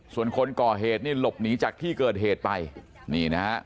ส่วนคนก่อเหตุลบหนีจากที่เกิดเหตุไป